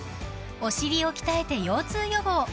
［お尻を鍛えて腰痛予防］